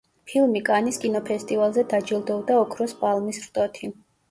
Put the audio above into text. ფილმი კანის კინოფესტივალზე დაჯილდოვდა ოქროს პალმის რტოთი.